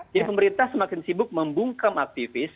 jadi pemerintah semakin sibuk membungkam aktivis